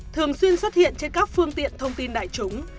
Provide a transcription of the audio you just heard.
thường xuyên xuất hiện trên các phương tiện thông tin đại chúng